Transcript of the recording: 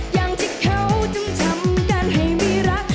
อย่างที่เขาจึงทำกันให้ไม่รัก